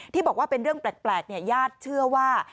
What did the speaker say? ที่บอกว่าเป็นเรื่องแปลกญาติเชื่อว่า